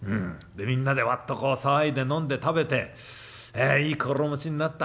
でみんなでわっとこう騒いで飲んで食べていい心持ちになった。